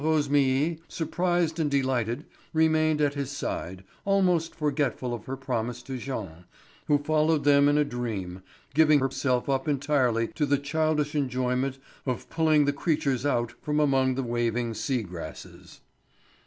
Rosémilly, surprised and delighted, remained at his side, almost forgetful of her promise to Jean, who followed them in a dream, giving herself up entirely to the childish enjoyment of pulling the creatures out from among the waving sea grasses.